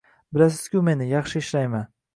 Bilasiz-ku meni, yaxshi ishlayman